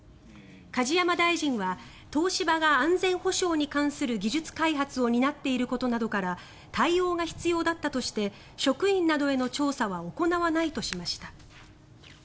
梶山大臣は東芝が安全保障に関する技術開発を担っていることなどから対応が必要だったとして職員などへの調査は行わないとしました。